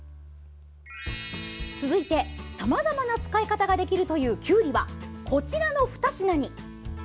続いて、さまざまな使い方ができるという、きゅうりはこちらの２品に。